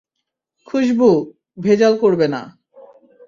খুশবু, ভেজাল করবে না।